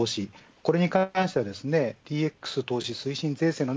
これに関してはＤＸ投資促進税制